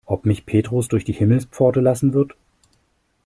Ob Petrus mich durch die Himmelspforte lassen wird?